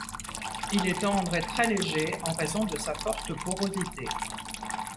Il est tendre et très léger en raison de sa forte porosité.